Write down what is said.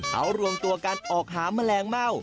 เขารวมตัวกันออกหาแมลงเม่า